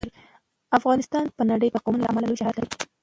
افغانستان په نړۍ کې د قومونه له امله لوی شهرت لري.